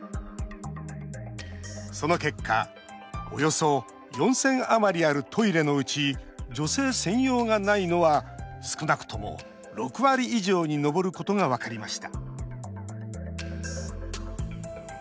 その結果およそ４０００余りあるトイレのうち女性専用がないのは少なくとも６割以上に上ることが分かりました。